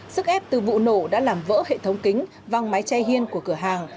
sức ép từ vụ nổ đã làm vỡ hệ thống kính văng máy chay hiên của cửa hàng